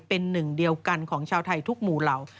เป็นหนึ่งเดียวกันของชาวไทยทุกหมู่เหล่า